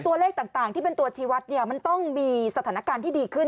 ตัวเลขต่างที่เป็นตัวชีวัตรเนี่ยมันต้องมีสถานการณ์ที่ดีขึ้น